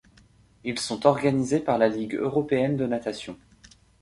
Ils sont organisés par la Ligue européenne de natation.